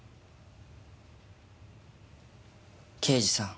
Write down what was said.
刑事さん。